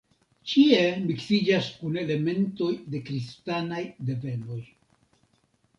Ĉie miksiĝas kun elementoj de kristanaj devenoj.